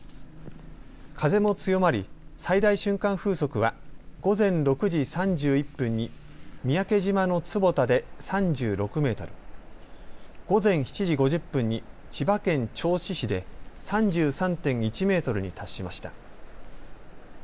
風も強まり、最大瞬間風速は午前６時３１分に三宅島の坪田で３６メートル、午前７時５０分に千葉県銚子市で３３．１メートルに達しました。